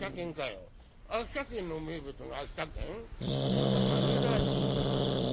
何か紛らわしいねおい。